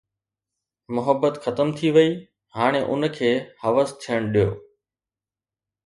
محبت ختم ٿي وئي، هاڻي ان کي حوس ٿيڻ ڏيو